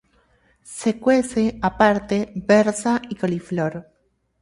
Se cuece, aparte, berza y coliflor.